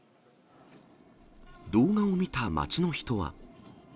動画を見た街の人は。